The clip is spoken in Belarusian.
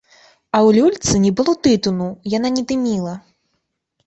А ў люльцы не было тытуну, яна не дыміла.